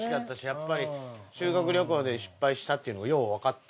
やっぱり修学旅行で失敗したっていうのがようわかった。